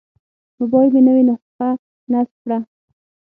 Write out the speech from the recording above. موبایل مې نوې نسخه نصب کړه.